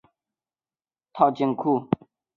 此应用也可用来增加或管理套件库。